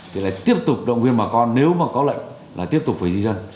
thì lại tiếp tục động viên bà con nếu mà có lệnh là tiếp tục phải di dân